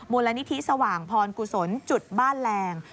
มูลนิธิสว่างพรกุศลจุดบ้านแรง